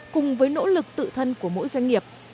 cùng với nỗ lực tự thân của mỗi doanh nghiệp